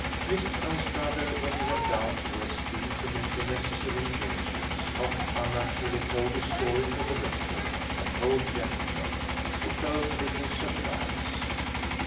Mr Anstruther, when he went down to Westfield to make the necessary arrangements, not unnaturally told this story to the rector (an old gentleman), who showed little surprise.